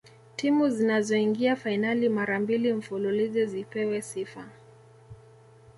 timu zinazoingia fainali mara mbili mfululizo zipewe sifa